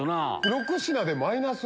６品でマイナス？